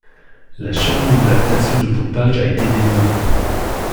La cheminée de la station de pompage a été démolie.